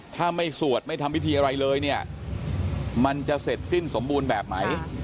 ถ้าไม่สวดไม่ทำพิธีอะไรเลยเนี่ยมันจะเสร็จสิ้นสมบูรณ์แบบไหน